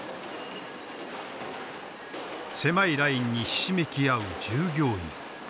狭いラインにひしめき合う従業員。